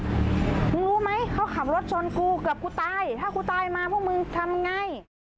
มึงรู้ไหมเขาขับรถชนกูเกือบกูตายถ้ากูตายมาพวกมึงทำไง